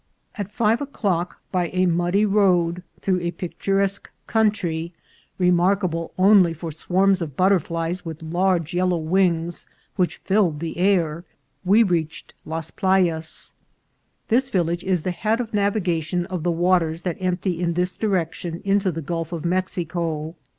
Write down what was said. At five o'clock, by a muddy road, through a pictu resque country, remarkable only for swarms of butterflies with large yellow wings which filled the air, we reached Las Playas. This village is the head of navigation of the waters that empty in this direction into the Gulf of Mex ico.